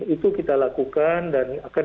itu kita lakukan dan